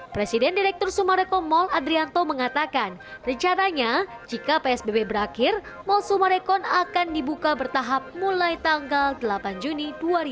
presiden direktur sumarekon mall adrianto mengatakan rencananya jika psbb berakhir mall sumarekon akan dibuka bertahap mulai tanggal delapan juni dua ribu dua puluh